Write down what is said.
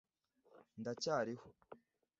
ndacyariho